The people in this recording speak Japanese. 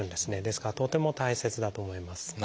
ですからとても大切だと思います。